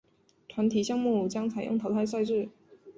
团体项目将采用淘汰赛制。